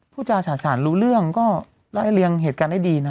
ผู้จับจ่าศาสาลรู้เรื่องรายเลี้ยงวิ่งเหตุการณ์ได้ดีนะ